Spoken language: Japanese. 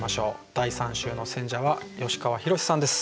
第３週の選者は吉川宏志さんです。